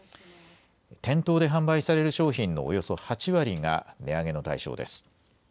店頭で販売される商品のおよそ８割が値上げの対象です。